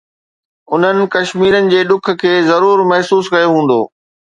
انهن ڪشميرين جي ڏک کي ضرور محسوس ڪيو هوندو